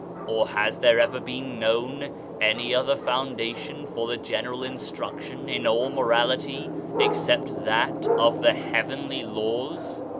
Or has there ever been known any other foundation for the general instruction in all morality except that of the heavenly laws?